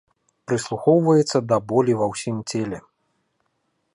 Прыслухоўваецца да болі ва ўсім целе.